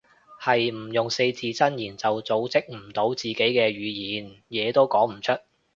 係唔用四字真言就組織唔到自己嘅語言，嘢都講唔出